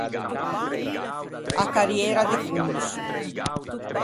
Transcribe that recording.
A carriera de conso.